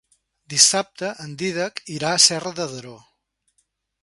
Dissabte en Dídac irà a Serra de Daró.